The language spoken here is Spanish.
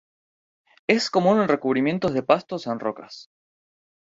Es común en recubrimientos de pastos en rocas.